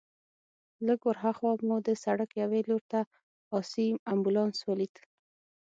لږ ورهاخوا مو د سړک یوې لور ته آسي امبولانس ولید.